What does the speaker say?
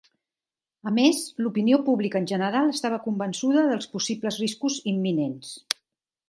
A més, l'opinió pública en general estava convençuda dels possibles riscos imminents.